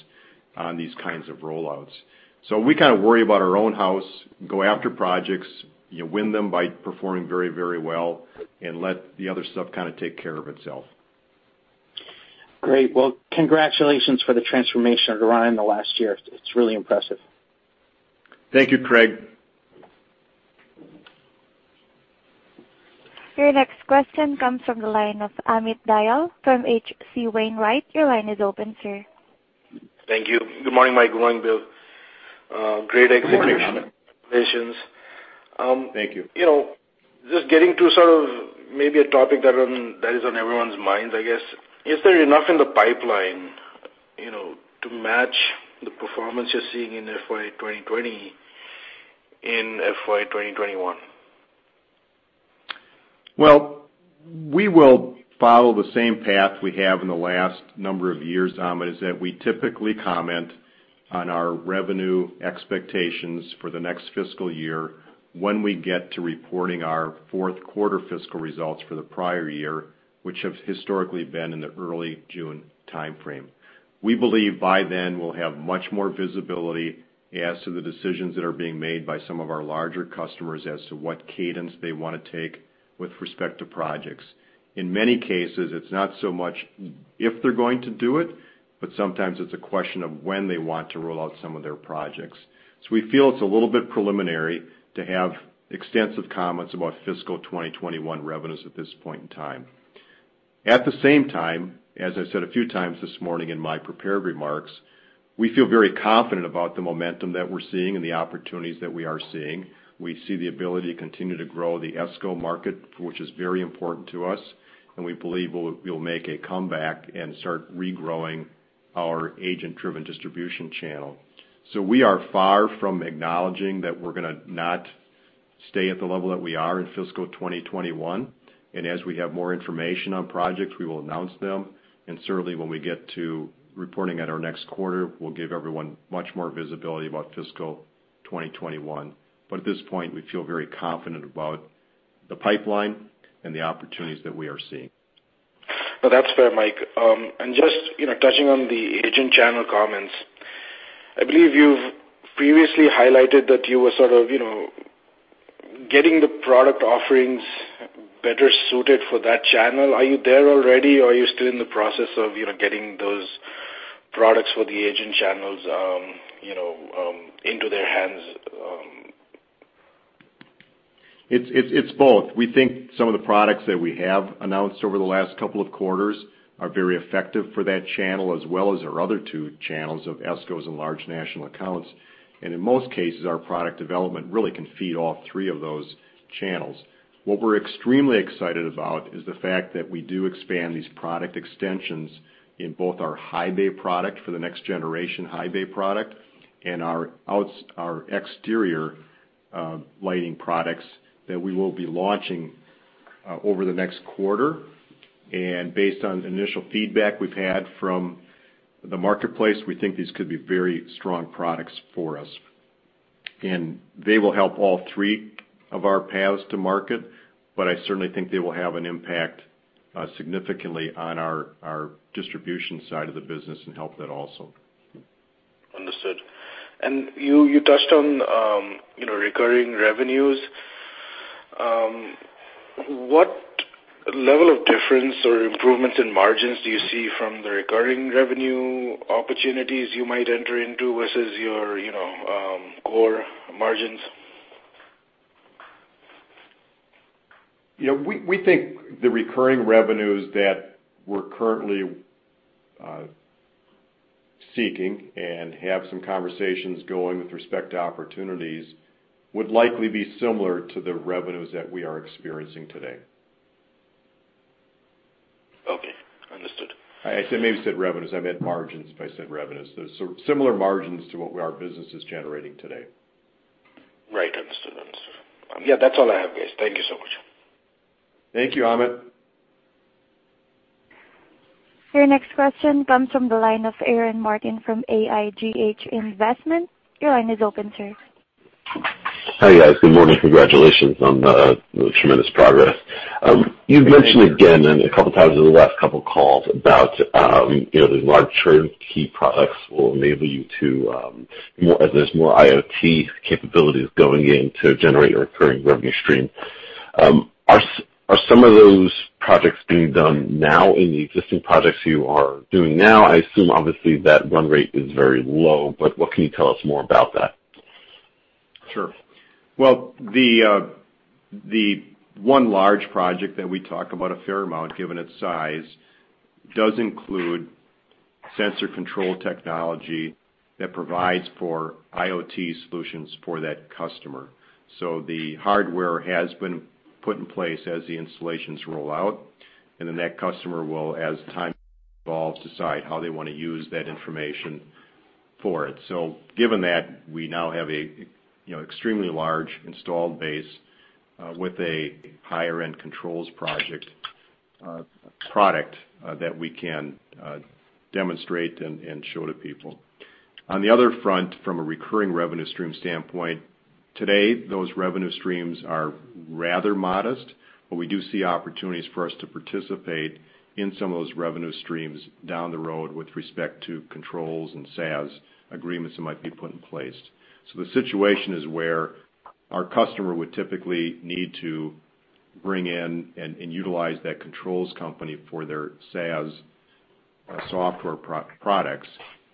on these kinds of rollouts. So we kind of worry about our own house, go after projects, win them by performing very, very well, and let the other stuff kind of take care of itself. Great. Well, congratulations for the transformation at Orion in the last year. It's really impressive. Thank you, Craig. Your next question comes from the line of Amit Dayal from H.C. Wainwright. Your line is open, sir. Thank you. Good morning, Mike Altschaefl, Bill. Great execution. Thank you. Just getting to sort of maybe a topic that is on everyone's minds, I guess. Is there enough in the pipeline to match the performance you're seeing in FY 2020 in FY 2021? We will follow the same path we have in the last number of years, Amit. That is, we typically comment on our revenue expectations for the next fiscal year when we get to reporting our fourth-quarter fiscal results for the prior year, which have historically been in the early June timeframe. We believe by then we'll have much more visibility as to the decisions that are being made by some of our larger customers as to what cadence they want to take with respect to projects. In many cases, it's not so much if they're going to do it, but sometimes it's a question of when they want to roll out some of their projects. So we feel it's a little bit preliminary to have extensive comments about Fiscal 2021 revenues at this point in time. At the same time, as I said a few times this morning in my prepared remarks, we feel very confident about the momentum that we're seeing and the opportunities that we are seeing. We see the ability to continue to grow the ESCO market, which is very important to us, and we believe we'll make a comeback and start regrowing our agent-driven distribution channel. So we are far from acknowledging that we're going to not stay at the level that we are in Fiscal 2021. And as we have more information on projects, we will announce them. And certainly, when we get to reporting at our next quarter, we'll give everyone much more visibility about Fiscal 2021. But at this point, we feel very confident about the pipeline and the opportunities that we are seeing. Well, that's fair, Mike. And just touching on the agent channel comments, I believe you've previously highlighted that you were sort of getting the product offerings better suited for that channel. Are you there already, or are you still in the process of getting those products for the agent channels into their hands? It's both. We think some of the products that we have announced over the last couple of quarters are very effective for that channel as well as our other two channels of ESCOs and large national accounts. And in most cases, our product development really can feed off three of those channels. What we're extremely excited about is the fact that we do expand these product extensions in both our high bay product for the next generation high bay product and our exterior lighting products that we will be launching over the next quarter. And based on initial feedback we've had from the marketplace, we think these could be very strong products for us. And they will help all three of our paths to market, but I certainly think they will have an impact significantly on our distribution side of the business and help that also. Understood. And you touched on recurring revenues. What level of difference or improvements in margins do you see from the recurring revenue opportunities you might enter into versus your core margins? Yeah. We think the recurring revenues that we're currently seeking and have some conversations going with respect to opportunities would likely be similar to the revenues that we are experiencing today. Okay. Understood. I maybe said revenues. I meant margins if I said revenues. They're similar margins to what our business is generating today. Right. Understood. Understood. Yeah. That's all I have, guys. Thank you so much. Thank you, Amit. Your next question comes from the line of Aaron Martin from AIGH Investments. Your line is open, sir. Hi, guys. Good morning. Congratulations on the tremendous progress. You've mentioned again and a couple of times in the last couple of calls about the large turnkey products will enable you to have more IoT capabilities going in to generate a recurring revenue stream. Are some of those projects being done now in the existing projects you are doing now? I assume, obviously, that run rate is very low, but what can you tell us more about that? Sure. Well, the one large project that we talk about a fair amount given its size does include sensor control technology that provides for IoT solutions for that customer. So the hardware has been put in place as the installations roll out, and then that customer will, as time evolves, decide how they want to use that information for it. So given that, we now have an extremely large installed base with a higher-end controls project product that we can demonstrate and show to people. On the other front, from a recurring revenue stream standpoint, today, those revenue streams are rather modest, but we do see opportunities for us to participate in some of those revenue streams down the road with respect to controls and SaaS agreements that might be put in place. The situation is where our customer would typically need to bring in and utilize that controls company for their SaaS software products,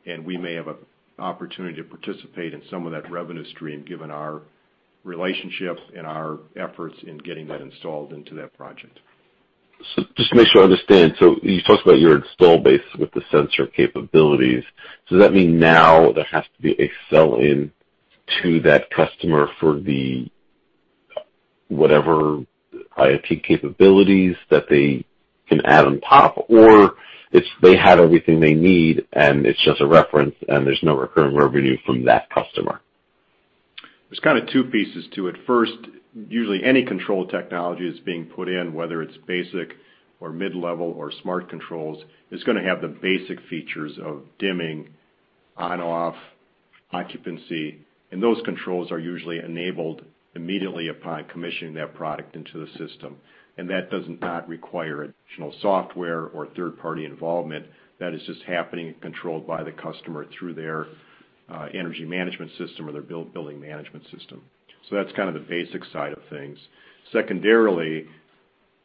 and we may have an opportunity to participate in some of that revenue stream given our relationship and our efforts in getting that installed into that project. Just to make sure I understand, so you talked about your installed base with the sensor capabilities. Does that mean now there has to be a sell-in to that customer for the whatever IoT capabilities that they can add on top, or they have everything they need, and it's just a reference, and there's no recurring revenue from that customer? There's kind of two pieces to it. First, usually any control technology that's being put in, whether it's basic or mid-level or smart controls, is going to have the basic features of dimming, on/off, occupancy. And those controls are usually enabled immediately upon commissioning that product into the system. And that does not require additional software or third-party involvement. That is just happening and controlled by the customer through their energy management system or their building management system. So that's kind of the basic side of things. Secondarily,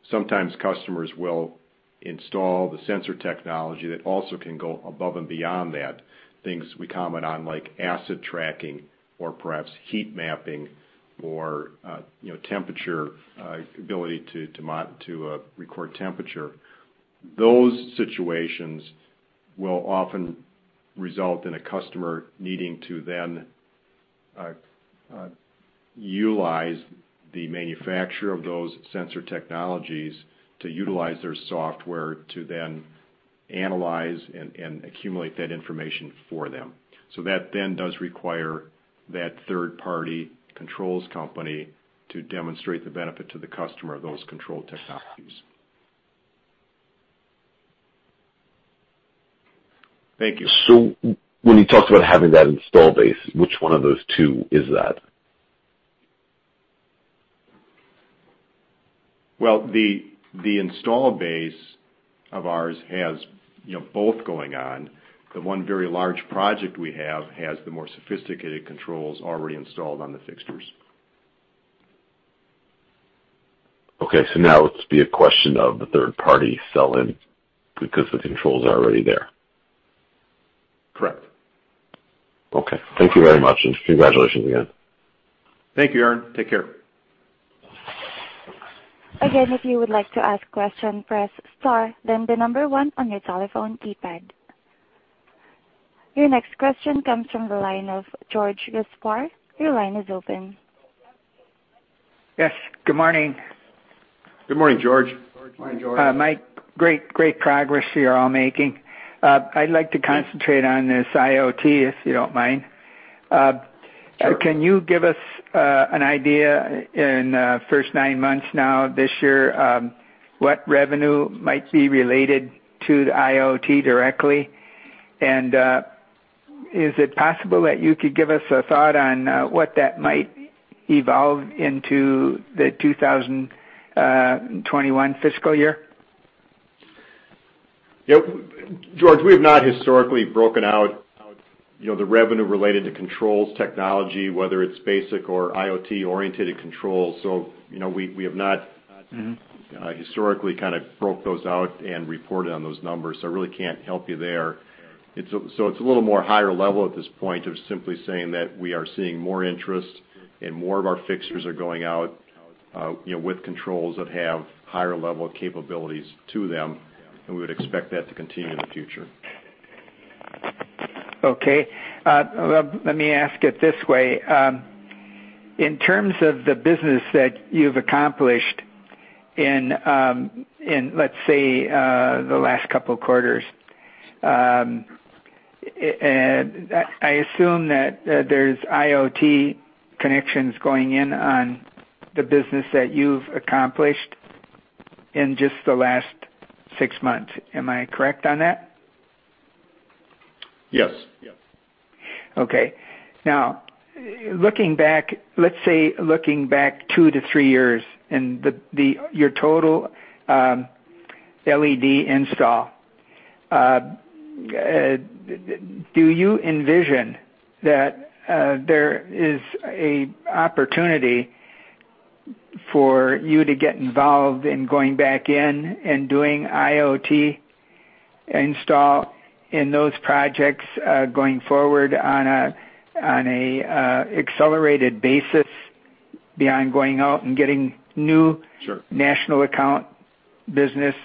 sometimes customers will install the sensor technology that also can go above and beyond that. Things we comment on like asset tracking or perhaps heat mapping or temperature ability to record temperature. Those situations will often result in a customer needing to then utilize the manufacturer of those sensor technologies to utilize their software to then analyze and accumulate that information for them. So that then does require that third-party controls company to demonstrate the benefit to the customer of those control technologies. Thank you. So when you talked about having that install base, which one of those two is that? Well, the install base of ours has both going on. The one very large project we have has the more sophisticated controls already installed on the fixtures. Okay. So now it'll be a question of the third-party sell-in because the controls are already there. Correct. Okay. Thank you very much, and congratulations again. Thank you, Aaron. Take care. Again, if you would like to ask a question, press star, then the number one on your telephone keypad. Your next question comes from the line of George Gaspar. Your line is open. Yes. Good morning. Good morning, George. Good morning, George. Mike, great progress you're all making. I'd like to concentrate on this IoT, if you don't mind. Can you give us an idea in the first nine months now, this year, what revenue might be related to the IoT directly? And is it possible that you could give us a thought on what that might evolve into the 2021 fiscal year? Yep. George, we have not historically broken out the revenue related to controls technology, whether it's basic or IoT-oriented controls. So we have not historically kind of broke those out and reported on those numbers. So I really can't help you there. So it's a little more higher level at this point of simply saying that we are seeing more interest and more of our fixtures are going out with controls that have higher-level capabilities to them, and we would expect that to continue in the future. Okay. Let me ask it this way. In terms of the business that you've accomplished in, let's say, the last couple of quarters, I assume that there's IoT connections going in on the business that you've accomplished in just the last six months. Am I correct on that? Yes. Yes. Okay. Now, looking back, let's say looking back two to three years in your total LED install, do you envision that there is an opportunity for you to get involved in going back in and doing IoT install in those projects going forward on an accelerated basis beyond going out and getting new national account business?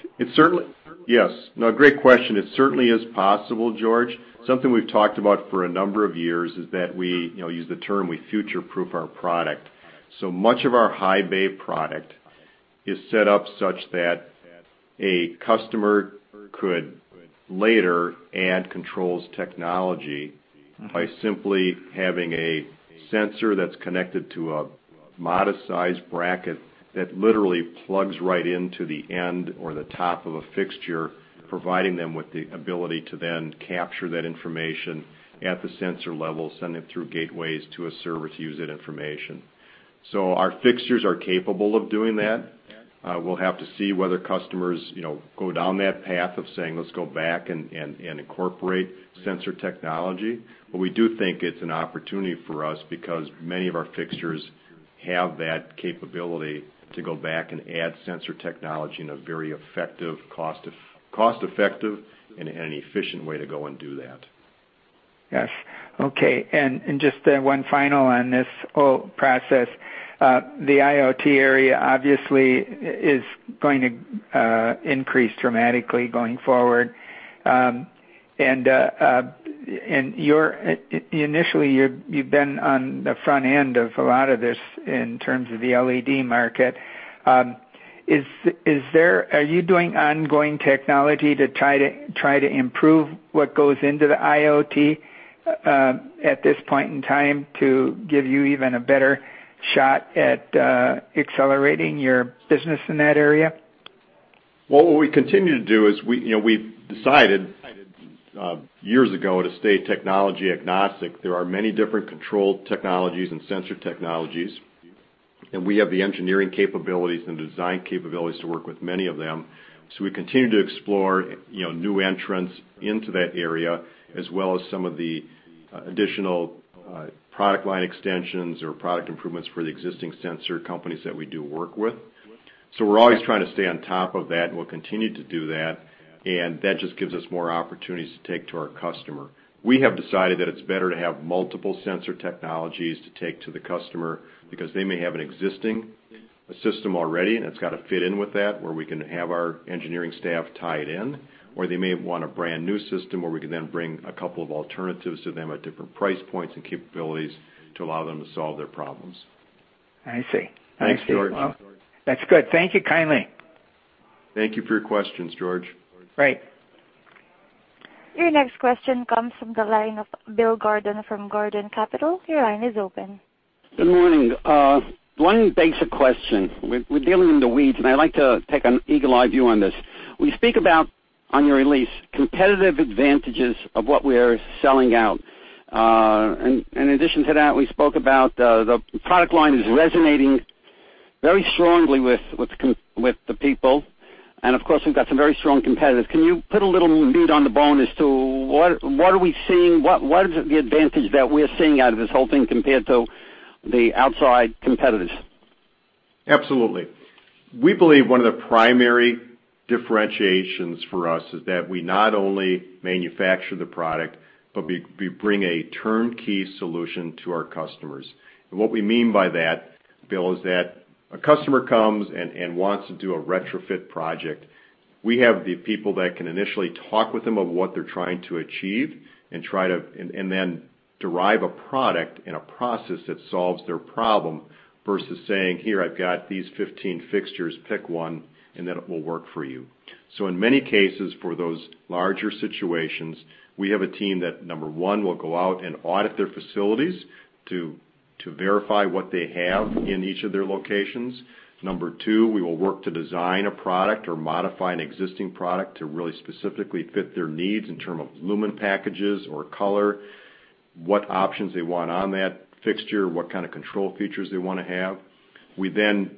Yes. No, great question. It certainly is possible, George. Something we've talked about for a number of years is that we use the term we future-proof our product. So much of our high bay product is set up such that a customer could later add controls technology by simply having a sensor that's connected to a modest-sized bracket that literally plugs right into the end or the top of a fixture, providing them with the ability to then capture that information at the sensor level, send it through gateways to a server to use that information. So our fixtures are capable of doing that. We'll have to see whether customers go down that path of saying, "Let's go back and incorporate sensor technology." But we do think it's an opportunity for us because many of our fixtures have that capability to go back and add sensor technology in a very effective, cost-effective, and efficient way to go and do that. Yes. Okay. And just one final on this whole process. The IoT area, obviously, is going to increase dramatically going forward, and initially, you've been on the front end of a lot of this in terms of the LED market. Are you doing ongoing technology to try to improve what goes into the IoT at this point in time to give you even a better shot at accelerating your business in that area? Well, what we continue to do is we've decided years ago to stay technology agnostic. There are many different control technologies and sensor technologies, and we have the engineering capabilities and the design capabilities to work with many of them, so we continue to explore new entrants into that area as well as some of the additional product line extensions or product improvements for the existing sensor companies that we do work with. So we're always trying to stay on top of that, and we'll continue to do that. And that just gives us more opportunities to take to our customer. We have decided that it's better to have multiple sensor technologies to take to the customer because they may have an existing system already, and it's got to fit in with that where we can have our engineering staff tie it in, or they may want a brand new system where we can then bring a couple of alternatives to them at different price points and capabilities to allow them to solve their problems. I see. I see. That's good. Thank you kindly. Thank you for your questions, George. Right. Your next question comes from the line of Bill Gordon from Gordon Capital. Your line is open. Good morning. One basic question. We're dealing in the weeds, and I'd like to take an eagle-eye view on this. We speak about, on your release, competitive advantages of what we're selling out. In addition to that, we spoke about the product line is resonating very strongly with the people. And of course, we've got some very strong competitors. Can you put a little meat on the bone as to what are we seeing? What is the advantage that we're seeing out of this whole thing compared to the outside competitors? Absolutely. We believe one of the primary differentiations for us is that we not only manufacture the product, but we bring a turnkey solution to our customers. And what we mean by that, Bill, is that a customer comes and wants to do a retrofit project. We have the people that can initially talk with them of what they're trying to achieve and then derive a product and a process that solves their problem versus saying, "Here, I've got these 15 fixtures. Pick one, and then it will work for you." So in many cases, for those larger situations, we have a team that, number one, will go out and audit their facilities to verify what they have in each of their locations. Number two, we will work to design a product or modify an existing product to really specifically fit their needs in terms of lumen packages or color, what options they want on that fixture, what kind of control features they want to have. We then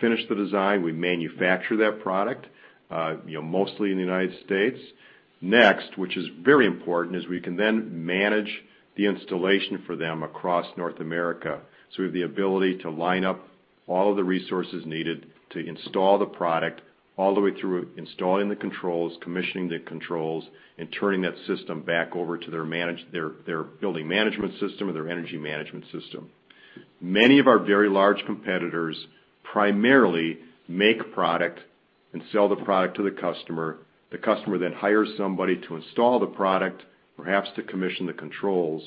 finish the design. We manufacture that product mostly in the United States. Next, which is very important, is we can then manage the installation for them across North America. So we have the ability to line up all of the resources needed to install the product all the way through installing the controls, commissioning the controls, and turning that system back over to their building management system or their energy management system. Many of our very large competitors primarily make product and sell the product to the customer. The customer then hires somebody to install the product, perhaps to commission the controls.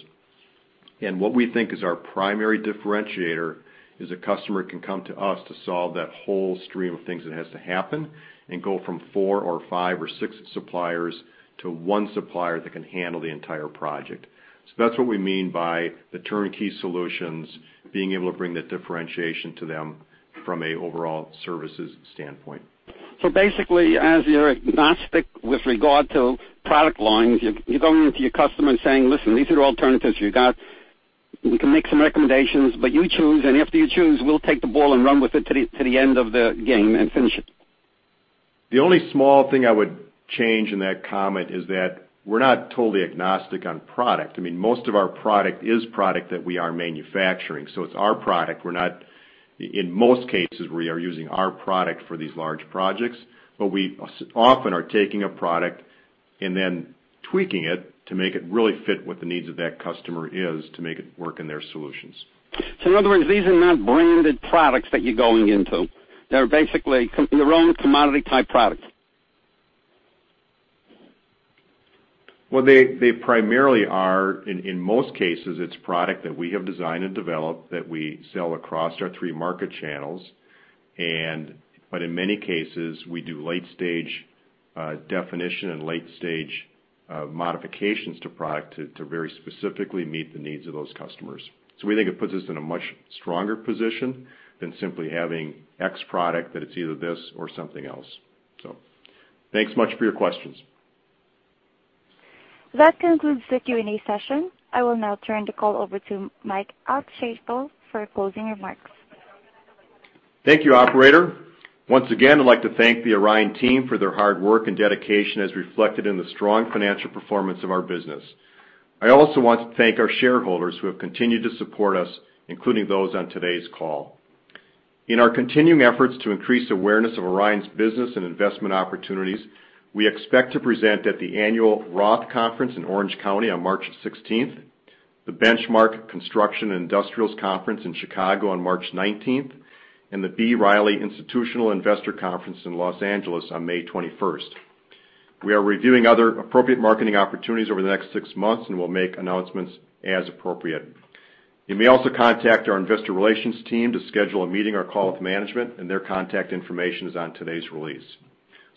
And what we think is our primary differentiator is a customer can come to us to solve that whole stream of things that has to happen and go from four or five or six suppliers to one supplier that can handle the entire project. So that's what we mean by the turnkey solutions, being able to bring that differentiation to them from an overall services standpoint. So basically, as you're agnostic with regard to product lines, you're going into your customer and saying, "Listen, these are alternatives. We can make some recommendations, but you choose, and after you choose, we'll take the ball and run with it to the end of the game and finish it." The only small thing I would change in that comment is that we're not totally agnostic on product. I mean, most of our product is product that we are manufacturing. So it's our product. In most cases, we are using our product for these large projects, but we often are taking a product and then tweaking it to make it really fit what the needs of that customer is to make it work in their solutions. So in other words, these are not branded products that you're going into. They're basically their own commodity-type product. Well, they primarily are. In most cases, it's product that we have designed and developed that we sell across our three market channels. But in many cases, we do late-stage definition and late-stage modifications to product to very specifically meet the needs of those customers. So we think it puts us in a much stronger position than simply having X product that it's either this or something else. So thanks much for your questions. That concludes the Q&A session. I will now turn the call over to Mike Altschaefl for closing remarks. Thank you, operator. Once again, I'd like to thank the Orion team for their hard work and dedication as reflected in the strong financial performance of our business. I also want to thank our shareholders who have continued to support us, including those on today's call. In our continuing efforts to increase awareness of Orion's business and investment opportunities, we expect to present at the annual Roth Conference in Orange County on March 16th, the Benchmark Construction and Industrials Conference in Chicago on March 19th, and the B. Riley Institutional Investor Conference in Los Angeles on May 21st. We are reviewing other appropriate marketing opportunities over the next six months and will make announcements as appropriate. You may also contact our investor relations team to schedule a meeting or call with management, and their contact information is on today's release.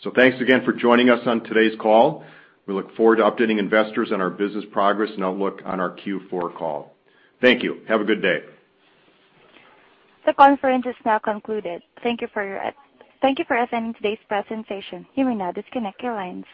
So thanks again for joining us on today's call. We look forward to updating investors on our business progress and outlook on our Q4 call. Thank you. Have a good day. The conference is now concluded. Thank you for attending today's presentation. You may now disconnect your lines.